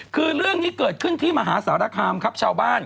คือเรื่องนี้เกิดขึ้นที่มหาสารคามครับชาวบ้าน